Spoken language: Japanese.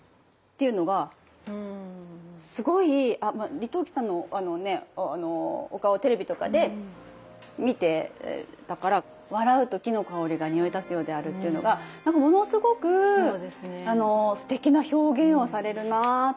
李登輝さんのあのお顔をテレビとかで見てたから笑うと木の香りがにおい立つようであるっていうのがなんかものすごくすてきな表現をされるなとかって。